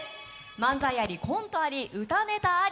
漫才あり、コントあり、歌ネタあり。